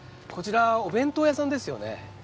こちらお弁当屋さんですよね？